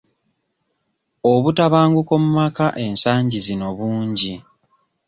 Obutabanguko mu maka ensangi zino bungi.